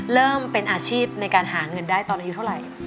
เริ่มเป็นอาชีพในการหาเงินได้ตอนอายุเท่าไหร่